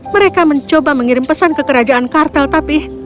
mereka mencoba mengirim pesan ke kerajaan kartel tapih